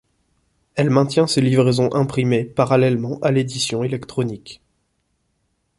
Elle maintient ses livraisons imprimées parallèlement à l'édition électronique.